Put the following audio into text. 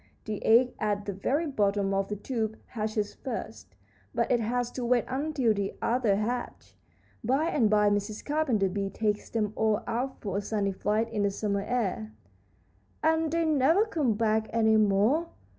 The egg at the very bottom of the tube hatches first, but it has to wait until the others hatch. By and by Mrs. Carpenter Bee takes them all out for a sunny flight in the summer air." "And they never come back any more!"